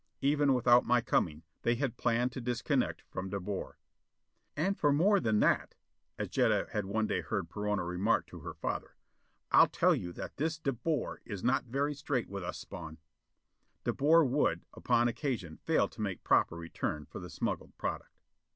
Even without my coming, they had planned to disconnect from De Boer. "And for more than that," as Jetta had one day heard Perona remark to her father. "I'll tell to you that this De Boer is not very straight with us, Spawn." De Boer would, upon occasion, fail to make proper return for the smuggled product.